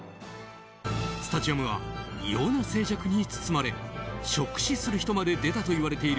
スタジアムは異様な静寂に包まれショック死する人まで出たといわれている